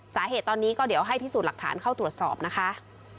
สาเหตุตอนนี้ก็เดี๋ยวให้พิสูจน์หลักฐานเข้าตรวจสอบนะคะ